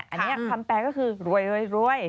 อันนี้คำแปลก็คือรวยรวยรวย